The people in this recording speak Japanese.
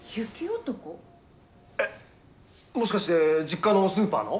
えっもしかして実家のスーパーの？